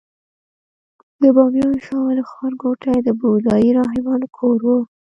د بامیانو شاولې ښارګوټي د بودايي راهبانو کور و